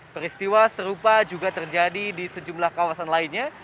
peristiwa serupa juga terjadi di sejumlah kawasan lainnya